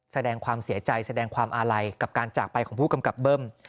แสดงความเสียใจแสดงความอาลัยกับการจากไปของผู้กำกับเบิ้ม